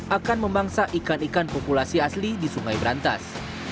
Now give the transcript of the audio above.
akan memangsa ikan ikan populasi asli di sungai berantas